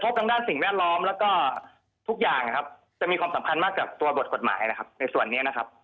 จะมีความสำคัญมากกว่าตัวบทกฎหมายนะครับในส่วนนี้นะครับ